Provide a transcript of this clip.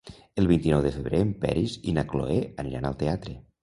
El vint-i-nou de febrer en Peris i na Cloè aniran al teatre.